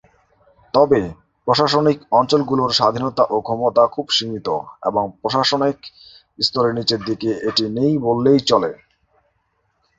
তবে, প্রশাসনিক অঞ্চলগুলোর স্বাধীনতা ও ক্ষমতা খুবই সীমিত এবং প্রশাসনিক স্তরের নিচের দিকে এটি নেই বললেই চলে।